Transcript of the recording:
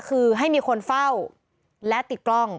คือให้มีคนเฝ้าและติดกล้อง